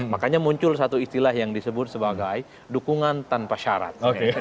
makanya muncul satu istilah yang disebut sebagai dukungan tanpa syarat